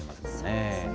そうですね。